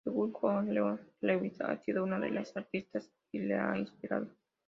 Según Johnson, Leona Lewis ha sido una de las artistas que la ha inspirado.